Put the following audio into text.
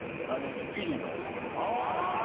『スッキリ』の。